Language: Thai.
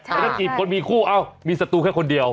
แต่ถ้าจีบคนมีคู่เอ้ามีศัตรูแค่คนเดียว